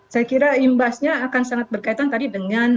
saya kira imbasnya akan sangat berkaitan tadi dengan